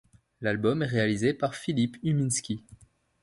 L'album est réalisé par Philippe Uminski.